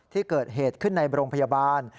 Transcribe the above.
ที่เกิดเหตุขึ้นในโรงพยาบาล